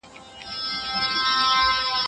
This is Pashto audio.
له آسمانه هاتف ږغ کړل چي احمقه